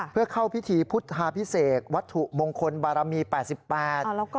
เพื่อเข้าพิธีพุทธาพิเศษวัตถุมงคลบารมี๘๘